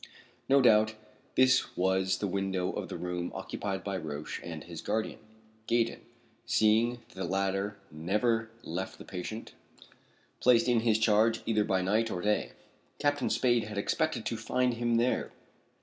No doubt this was the window of the room occupied by Roch and his guardian, Gaydon, seeing that the latter never left the patient placed in his charge either by night or day. Captain Spade had expected to find him there.